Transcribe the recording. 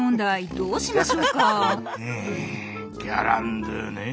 んギャランドゥねえ。